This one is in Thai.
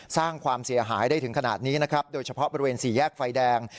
สร้างความเสียหายได้ถึงขนาดนี้นะครับโดยเฉพาะบริเวณสี่แยกไฟแดง